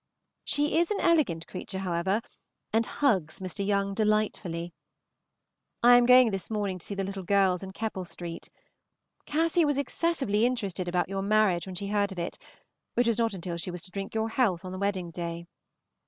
She is an elegant creature, however, and hugs Mr. Young delightfully. I am going this morning to see the little girls in Keppel Street. Cassy was excessively interested about your marriage when she heard of it, which was not until she was to drink your health on the wedding day.